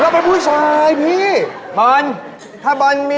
เราเป็นผู้ชายพี่